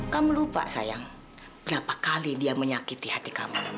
kamu lupa sayang berapa kali dia menyakiti hati kamu